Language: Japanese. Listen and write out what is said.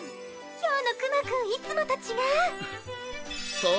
今日のクマくんいつもと違う。